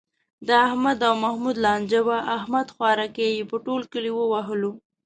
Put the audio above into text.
د احمد او محمود لانجه وه، احمد خوارکی یې په ټول کلي و وهلو.